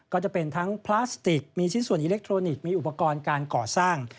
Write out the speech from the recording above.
ก็จะเป็นทั้งพลาสติกมีชิ้นส่วนอิเล็กทรอนิกส์มีอุปกรณ์การก่อสร้าง